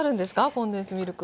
コンデンスミルクは。